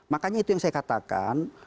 makanya itu yang saya katakan